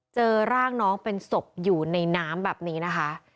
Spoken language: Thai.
เจอร่างน้องเป็นศพอยู่ในน้ำแบบนี้นะคะ